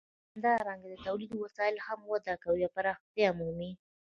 همدارنګه د تولید وسایل هم وده کوي او پراختیا مومي.